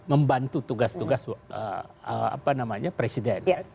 membantu tugas tugas presiden